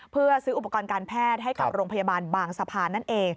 เพื่อซื้ออุปกรณ์การแพทย์ให้กับโรงพยาบาลบางสะพานนั่นเอง